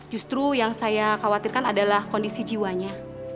justru yang saya khawatirkan adalah kondisi jiwanya